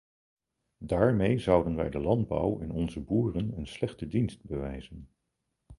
Daarmee zouden wij de landbouw en onze boeren een slechte dienst bewijzen.